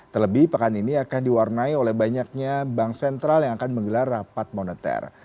terlebih pekan ini akan diwarnai oleh banyaknya bank sentral yang akan menggelar rapat moneter